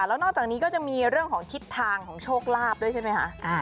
แล้วนอกจากนี้ก็จะมีเรื่องของทิศทางของโชคลาภด้วยใช่ไหมคะ